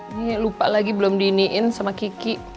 ini lupa lagi belum diiniin sama kiki